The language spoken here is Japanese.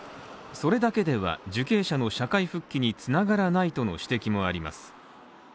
、それだけでは受刑者の社会復帰に繋がらないとの指摘もあります。